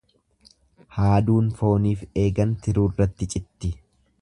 Haaduun fooniif eegan tiruurratti citti.